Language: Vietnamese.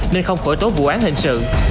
nên không khỏi tố vụ án hình sự